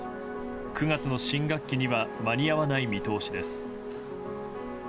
９月の新学期には間に合わない見通しです。